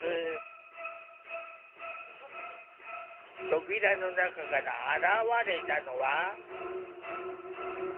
扉の中から現れたのは。